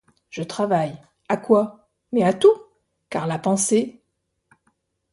Je travaille. À quoi ? Mais à tout ; car la pensée